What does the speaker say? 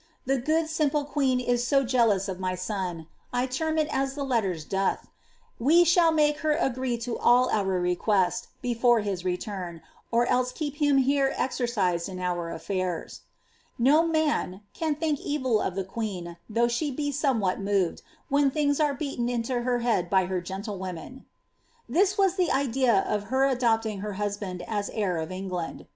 The good, simple queen is so jealous of my sou ^i term it as the letter* doth), we shall make her agree to all our requests before his reiiirn, or else keep him here exercised in our affidra.' No man, 'can think evil •d* the queen, though she be somewhat tnoved, when things are b^ien into her head by her gentlewomen.' " This was the idea of her adopt ing her husband as heir of England.'